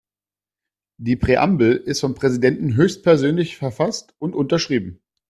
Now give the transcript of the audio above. Die Präambel ist vom Präsidenten höchstpersönlich verfasst und unterschrieben.